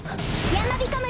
やまびこ村